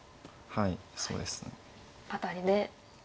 はい。